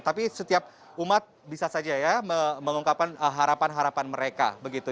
tapi setiap umat bisa saja ya mengungkapkan harapan harapan mereka begitu